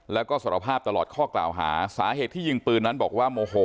แล้วก็สารภาพตลอดข้อกล่าวหาสาเหตุที่ยิงปืนนั้นบอกว่าโมโห